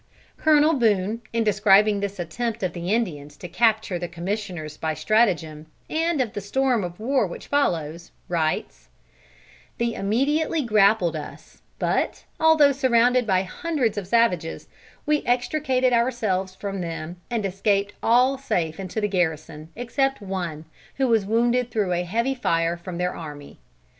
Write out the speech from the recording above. Colonel Boone, in describing this attempt of the Indians to capture the commissioners by stratagem, and of the storm of war which followed, writes: "They immediately grappled us, but, although surrounded by hundreds of savages, we extricated ourselves from them and escaped all safe into the garrison except one, who was wounded through a heavy fire from their army.